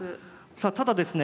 さあただですね